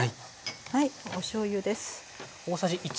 はいおしょうゆです。